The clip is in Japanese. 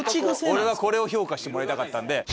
俺はこれを評価してもらいたかったんで。